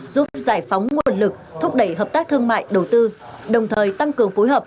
giúp giải phóng nguồn lực thúc đẩy hợp tác thương mại đầu tư đồng thời tăng cường phối hợp